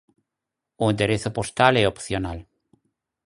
O enderezo postal é opcional.